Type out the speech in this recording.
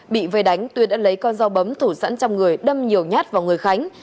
bị về đánh tuyên đã lấy con dao bấm thủ sẵn trong người đâm nhiều nhát vào người khánh